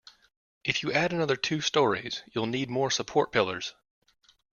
If you add another two storeys, you'll need more support pillars.